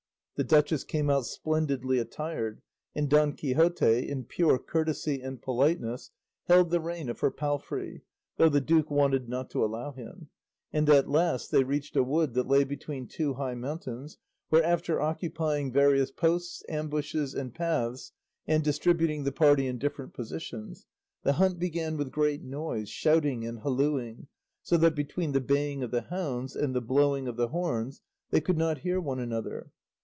The duchess came out splendidly attired, and Don Quixote, in pure courtesy and politeness, held the rein of her palfrey, though the duke wanted not to allow him; and at last they reached a wood that lay between two high mountains, where, after occupying various posts, ambushes, and paths, and distributing the party in different positions, the hunt began with great noise, shouting, and hallooing, so that, between the baying of the hounds and the blowing of the horns, they could not hear one another.